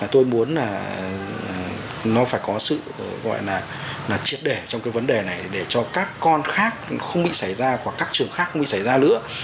tôi muốn là nó phải có sự gọi là triệt để trong cái vấn đề này để cho các con khác không bị xảy ra hoặc các trường khác bị xảy ra nữa